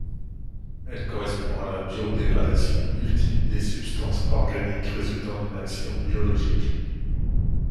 Elle correspond à la biodégradation ultime des substances organiques résultant d'une action biologique.